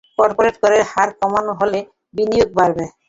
Corporate করের হার কমানো হলে বিনিয়োগ বাড়বে।